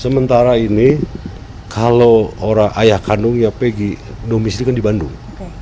sementara ini kalau orang ayah kandungnya pegi domestik kan di bandung